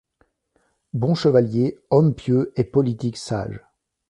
Bon chevalier, homme pieux et politique sage.